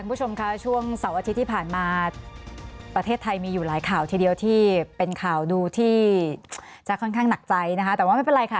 คุณผู้ชมคะช่วงเสาร์อาทิตย์ที่ผ่านมาประเทศไทยมีอยู่หลายข่าวทีเดียวที่เป็นข่าวดูที่จะค่อนข้างหนักใจนะคะแต่ว่าไม่เป็นไรค่ะ